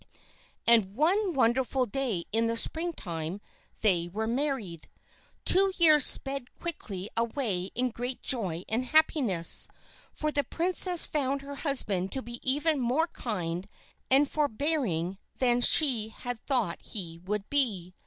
And one wonderful day in the springtime they were married. Two years sped quickly away in great joy and happiness, for the princess found her husband to be even more kind and forbearing than she had thought he would be.